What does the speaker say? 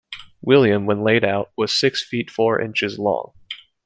William, when laid out, was six feet four inches long.